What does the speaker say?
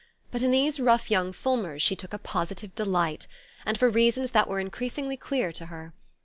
But in these rough young Fulmers she took a positive delight, and for reasons that were increasingly clear to her.